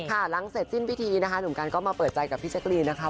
หลังเสร็จสิ้นพิธีนะคะหนุ่มกันก็มาเปิดใจกับพี่แจ๊กรีนนะคะ